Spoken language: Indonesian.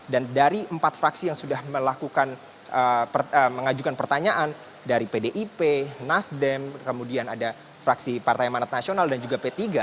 dan dari empat fraksi yang sudah melakukan mengajukan pertanyaan dari pdip nasdem kemudian ada fraksi partai manat nasional dan juga p tiga